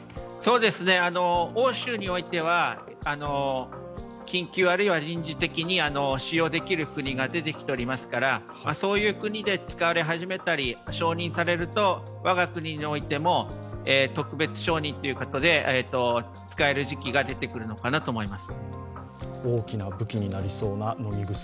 欧州においては緊急あるいは臨時的に出てきておりますからそういう国で使われ始めたり承認されると、我が国においても特別承認ということで使える時期が出てくるかなと思います。